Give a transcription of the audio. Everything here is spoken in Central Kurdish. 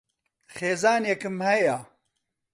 خێزانێکم ھەیە.